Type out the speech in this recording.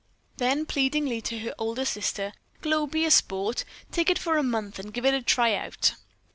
Then pleadingly to her older sister: "Glow, be a sport! Take it for a month and give it a try out."